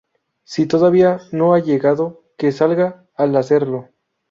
Si todavía no ha llegado, que salga al hacerlo.